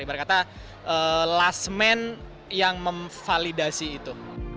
ibarat kata last man yang memvalidasi itu